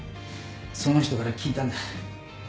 その人から聞いたんだ。